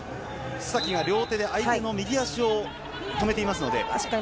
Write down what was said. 須崎が両手で相手の右足を止めていますので。